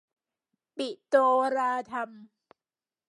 ปิโตรลาทัม